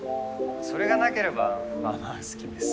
それがなければまあまあ好きです。